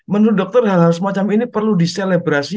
menurut dokter hal hal semacam ini perlu diselebrasi